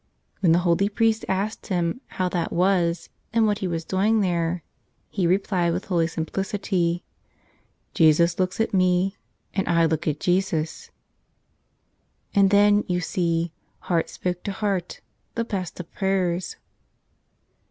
When the holy priest asked him how that was, and what he was doing there, he replied, with holy simplicity, "Jesus looks at me, and I look at Jesus." And then, you see, heart spoke to heart, the best of prayers.